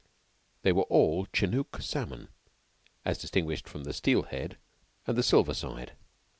They were all Chenook salmon, as distinguished from the "steel head" and the "silver side."